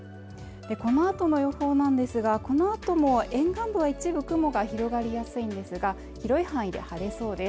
このあとの予報なんですがこのあとも沿岸部は一部雲が広がりやすいんですが広い範囲で晴れそうです